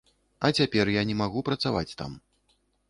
А цяпер я не магу працаваць там.